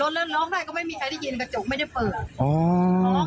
แต่ยังไงร้องกันเสียงหลง